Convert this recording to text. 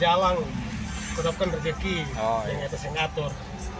jalan tetapkan rezeki yang disengatur